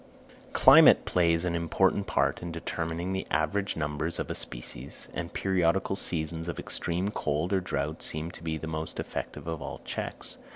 Climate plays an important part in determining the average numbers of a species, and periodical seasons of extreme cold or drought seem to be the most effective of all checks.